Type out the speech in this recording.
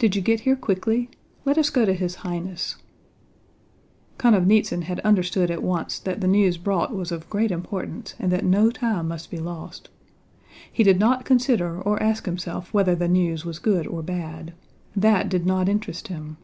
"Did you get here quickly? Let us go to his Highness." Konovnítsyn had understood at once that the news brought was of great importance and that no time must be lost. He did not consider or ask himself whether the news was good or bad. That did not interest him.